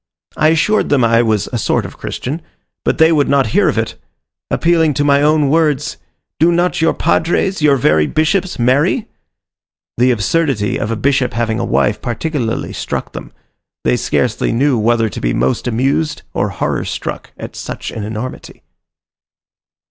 I assured them I was a sort of Christian; but they would not hear of it appealing to my own words, "Do not your padres, your very bishops, marry?" The absurdity of a bishop having a wife particularly struck them: they scarcely knew whether to be most amused or horror struck at such an enormity.